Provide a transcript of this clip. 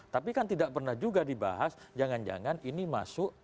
tapi kan tidak pernah juga dibahas jangan jangan ini masuk